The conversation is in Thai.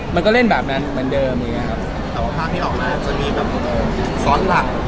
มันก็เล่นแบบนั้นเหมือนเดิมอย่างเงี้ครับแต่ว่าภาพที่ออกมาจะมีแบบซ้อนหลัง